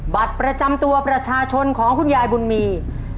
บัตรประจำตัวประชาชนของคุณยายบุญมี